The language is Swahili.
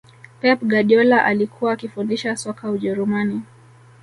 pep guardiola alikuwa akifundisha soka ujerumani